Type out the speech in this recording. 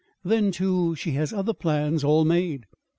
Then, too, she has other plans all made."